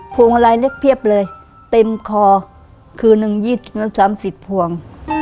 ผ่องอะไรเล็กเพียบเลยเต็มคอคืนึง๒๐๓๐ผ่อง